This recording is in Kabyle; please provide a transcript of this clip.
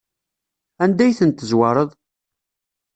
Anda ay ten-tezwareḍ?